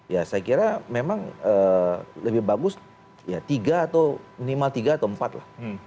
ya saya kira memang lebih bagus ya tiga atau minimal tiga atau empat lah